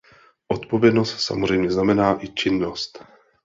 Odpovědnost samozřejmě znamená i činnost.